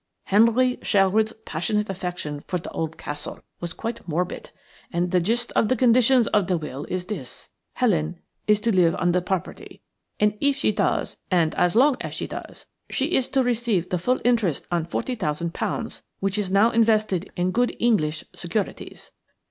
Henry Sherwood's passionate affection for the old castle was quite morbid, and the gist of the conditions of the will is this: Helen is to live on the property, and if she does, and as long as she does, she is to receive the full interest on forty thousand pounds, which is now invested in good English securities.